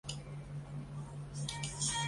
服务器出现异常